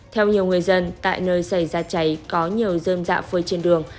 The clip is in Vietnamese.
theo nhiều người dân tại nơi xảy ra cháy có nhiều dơm dạ phơi trên đường